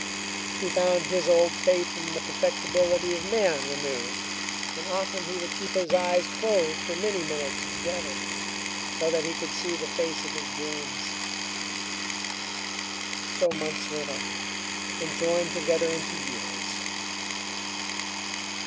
He found his old faith in the perfectibility of man renewed, and often he would keep his eyes closed for many minutes together, so that he could see the face of his dreams. So months went on, and joined together into years.